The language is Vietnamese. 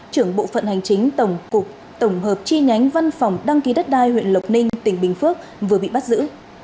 trưởng bộ phận hành chính tổng hợp chi nhánh văn phòng đăng ký đất đai huyện lộc ninh tỉnh bình phước vừa bị bắt giữ